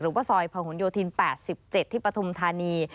หรือว่าซอยผ่าหุนโยธีน๘๗ที่ปฐมธานี